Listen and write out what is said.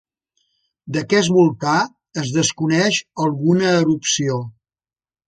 D'aquest volcà es desconeix alguna erupció.